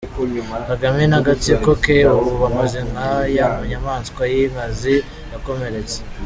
Kagame n’agatsiko ke ubu bameze nka ya nyamaswa y’inkazi yakomeretse.